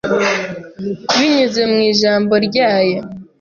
binyuze mu ijambo ryayo.